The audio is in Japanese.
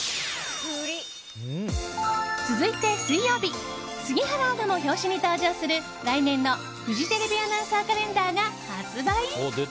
続いて水曜日杉原アナも表紙に登場する来年のフジテレビアナウンサーカレンダーが発売。